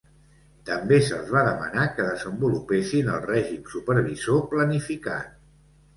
També se'ls va demanar que desenvolupessin el règim supervisor planificat.